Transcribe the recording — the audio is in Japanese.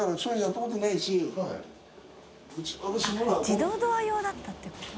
自動ドア用だったってこと？